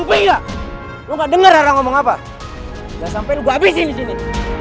enggak denger ngomong apa sampai habisin di sini